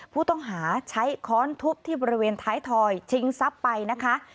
ผู้ต้องหาใช้ค้อนทุบที่บริเวณท้ายถอยชิงทรัพย์ไปนะคะ